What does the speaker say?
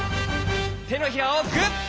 てのひらをグッ！